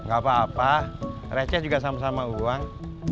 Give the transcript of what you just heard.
gak apa apa receh juga sama sama uang